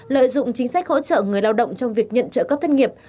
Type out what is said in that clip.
lợi dụng chính sách hỗ trợ người lao động trong việc nhận trợ cấp thất nghiệp